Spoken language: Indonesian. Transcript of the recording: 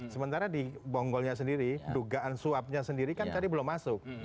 sementara di bonggolnya sendiri dugaan suapnya sendiri kan tadi belum masuk